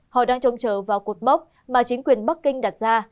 họ đang trông chờ vào cột mốc mà chính quyền bắc kinh đặt ra